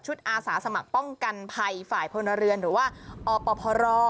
อาสาสมัครป้องกันภัยฝ่ายพลเรือนหรือว่าอปพร